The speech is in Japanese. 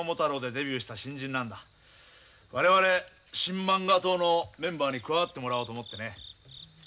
我々新漫画党のメンバーに加わってもらおうと思ってね。